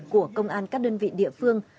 của công an các đơn vị địa phương